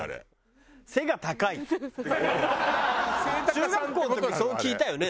中学校の時にそう聞いたよね。